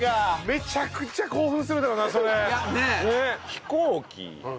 めちゃくちゃ興奮するだろうなそれ。